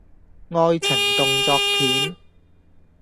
愛情動作片